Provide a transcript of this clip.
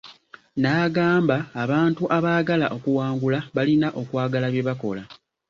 N'agamba abantu abaagala okuwangula balina okwagala bye bakola.